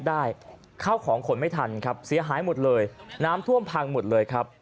ได้เข้าของขนไม่ทันครับเสียหายหมดเลยน้ำท่วมพังหมดเลยครับ